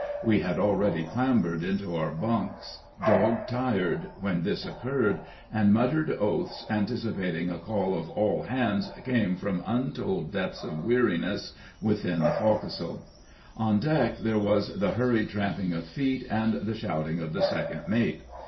We had already clambered into our bunks, dog tired, when this occurred, and muttered oaths, anticipating a call of "all hands," came from untold depths of weariness within the fo'c'sle. On deck there was the hurried tramping of feet, and the shouting of the second mate.